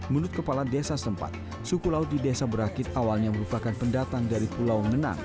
menurut kepala desa sempat suku laut di desa berakit awalnya merupakan pendatang dari pulau ngenang